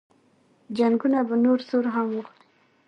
جنګونه به نور زور هم واخلي.